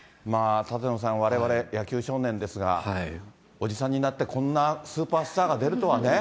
舘野さん、われわれ、野球少年ですが、おじさんになってこんなスーパースタ